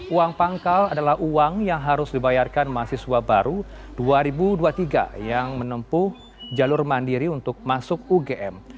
uang pangkal adalah uang yang harus dibayarkan mahasiswa baru dua ribu dua puluh tiga yang menempuh jalur mandiri untuk masuk ugm